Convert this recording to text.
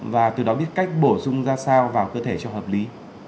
và đổ dung ra sao vào cơ thể cho hợp lý